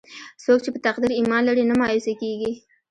څوک چې په تقدیر ایمان لري، نه مایوسه کېږي.